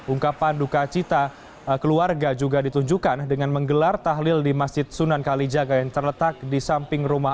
ungkapan duka cita keluarga juga ditunjukkan dengan menggelar tahlil di masjid sunan kalijaga yang terletak di samping rumah